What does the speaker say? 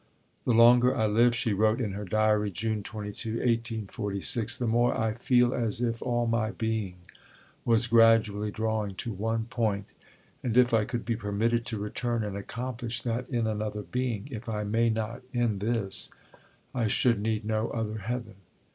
"The longer I live," she wrote in her diary (June 22, 1846), "the more I feel as if all my being was gradually drawing to one point, and if I could be permitted to return and accomplish that in another being, if I may not in this, I should need no other heaven.